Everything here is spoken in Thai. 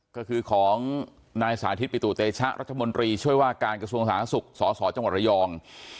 ก็คือของนายสาธิตปิตุเตชะรัฐมนตรีช่วยว่าการกระทรวงสาธารณสุขสสจังหวัดระยอง